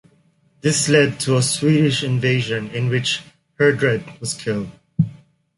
This led to a Swedish invasion in which Heardred was killed.